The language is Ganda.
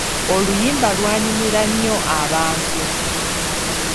Oluyimba lwanyumira nnyo abantu.